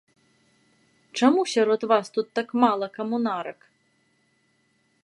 Чаму сярод вас тут так мала камунарак?